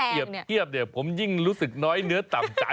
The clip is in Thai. เปรียบเนี่ยผมยิ่งรู้สึกน้อยเนื้อต่ำใจ